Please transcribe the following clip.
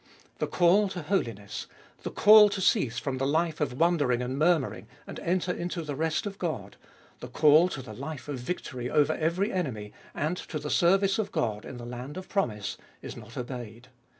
The call to holiness, the call to cease from the life of wandering and murmuring, and enter into the rest of God, the call to the life of victory over every enemy and to the service of God in the land of promise, is not obeyed.